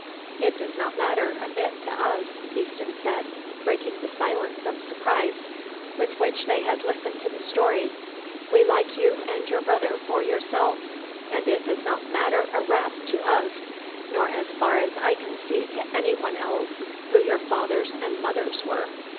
"It does not matter a bit to us," Easton said, breaking the silence of surprise with which they had listened to the story. "We like you and your brother for yourselves, and it does not matter a rap to us, nor as far as I can see to anyone else, who your fathers and mothers were."